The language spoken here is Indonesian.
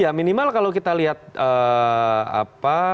ya minimal kalau kita lihat apa